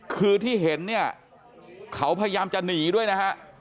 คือที่เห็นเนี่ยเขาพยายามจะหนีด้วยนะฮะ